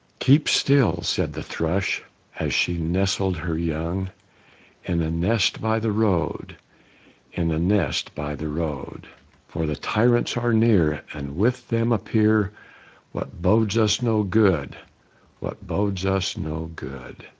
"Keep still!" said the thrush as she nestled her young, In a nest by the road; in a nest by the road. "For the tyrants are near, and with them appear What bodes us no good; what bodes us no good."